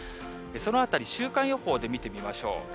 そのあたり、週間予報で見てみましょう。